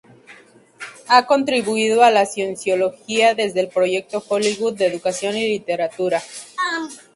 Ha contribuido a la Cienciología desde el Proyecto Hollywood de Educación y Literatura.